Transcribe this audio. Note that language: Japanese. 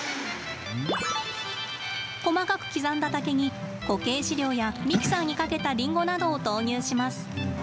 細かく刻んだ竹に、固形飼料やミキサーにかけたリンゴなどを投入します。